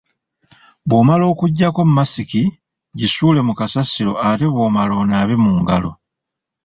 Bw’omala okuggyako masiki, gisuule mu kasasiro ate bw’omala onaabe mu ngalo.